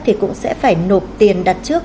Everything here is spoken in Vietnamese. thì cũng sẽ phải nộp tiền đặt trước